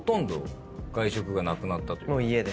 もう家で？